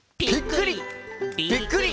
「びっくり！